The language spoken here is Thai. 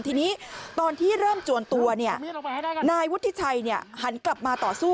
ทีนี้ตอนที่เริ่มจวนตัวนายวุฒิชัยหันกลับมาต่อสู้